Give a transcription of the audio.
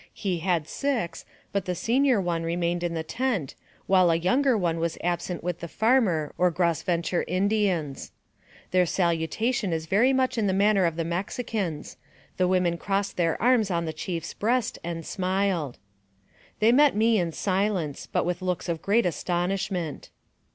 He had six, but the senior one remained in the tent, while a younger one was absent with the Farmer or Grosventre Indians. Their salutation is very much in the manner of the Mexicans ; the women crossed their arms on the chief's breast, and smiled. They met me in silence, but with looks of great astonishment.